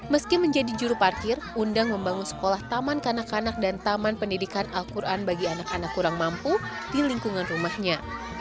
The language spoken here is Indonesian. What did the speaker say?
meski menjadi juru parkir undang membangun sekolah taman kanak kanak dan taman pendidikan al quran bagi anak anak kurang mampu di lingkungan rumahnya